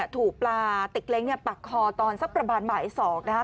ถูกปลาติกเล้งปักคอตอนสักประมาณบ่าย๒นะคะ